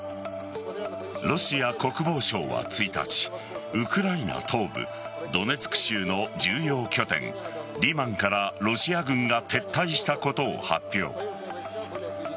ロシア国防省は１日ウクライナ東部ドネツク州の重要拠点リマンからロシア軍が撤退したことを発表。